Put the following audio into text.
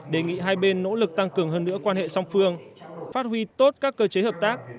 đề nghị hai bên nỗ lực tăng cường hơn nữa quan hệ song phương phát huy tốt các cơ chế hợp tác